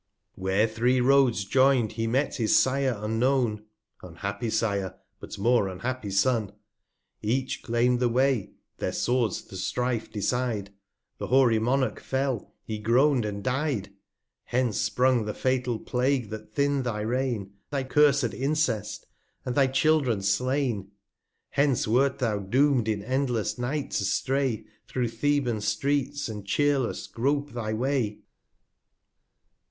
Where three Roads join'd, he met his Sire un known; (Unhappy Sire, but more unhappy Son!) Each claim'd the Way, their Swords the Strife decide, The hoary Monarch fell, he groan'd and dy'd! 220 Hence sprung the fatal Plague that thinn'd thy Reign, Thy cursed Incest ! and thy Children slain ! Hence wert thou doom'd in endless Night to stray Through Theban Streets, and cheerless groap thy Way.